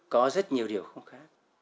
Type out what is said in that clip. có rất nhiều điều không khác